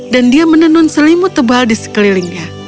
dan dia menenun selimut tebal di sekelilingnya